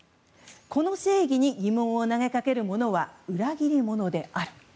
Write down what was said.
この正義に疑問を投げかけるものは裏切り者である。